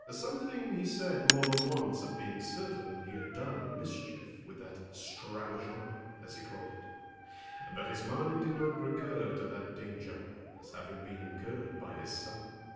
Something he said more than once of being certain he had done mischief with that stramaçon, as he called it; but his mind did not recur to that danger, as having been incurred by his son.